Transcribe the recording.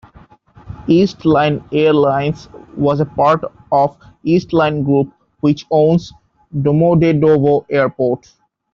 East Line Airlines was a part of East Line group, which owns Domodedovo airport.